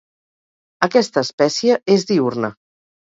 Aquesta espècie és diürna.